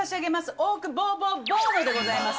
オークボーボーボーノでございます。